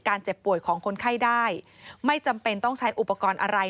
เจ็บป่วยของคนไข้ได้ไม่จำเป็นต้องใช้อุปกรณ์อะไร